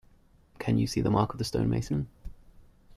Can you see the mark of the stonemason?